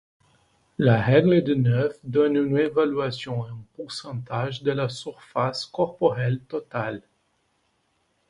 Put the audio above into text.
La règle des neuf donne une évaluation en pourcentage de la surface corporelle totale.